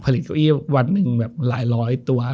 เก้าอี้วันหนึ่งแบบหลายร้อยตัว